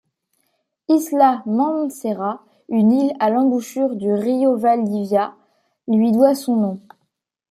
Isla Mancera, une île à l'embouchure du Río Valdivia, lui doit son nom.